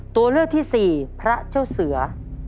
ตัวเลือกที่สี่พระเจ้าเสือ